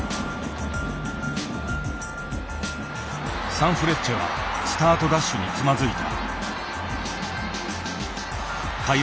サンフレッチェはスタートダッシュにつまずいた。